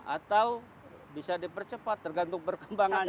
atau bisa dipercepat tergantung perkembangannya